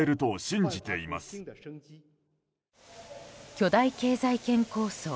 巨大経済圏構想